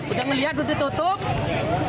udah ngeliat udah ditutup